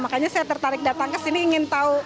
makanya saya tertarik datang ke sini ingin tahu